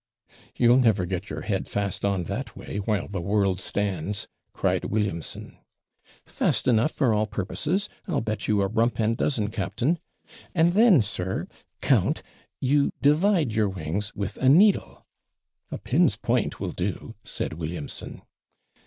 'You'll never get your head fast on that way, while the world stands,' cried Williamson. 'Fast enough for all purposes; I'll bet you a rump and dozen, captain; and then, sir, count, you divide your wings with a needle.' 'A pin's point will do,' said Williamson.